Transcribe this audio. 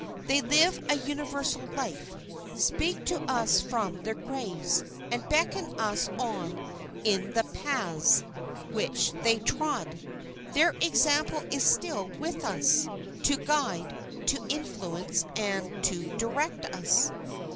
They live a universal life, speak to us from their graves, and beckon us on in the paths which they trod. Their example is still with us, to guide, to influence, and to direct us.